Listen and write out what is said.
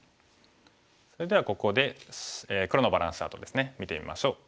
それではここで黒のバランスチャートですね見てみましょう。